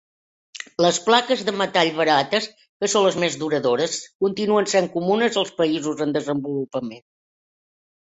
Les plaques de metall barates, que són les més duradores, continuen sent comunes als països en desenvolupament.